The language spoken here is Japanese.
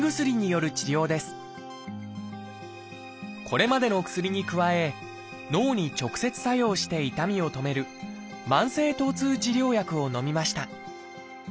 これまでの薬に加え脳に直接作用して痛みを止める「慢性疼痛治療薬」をのみました。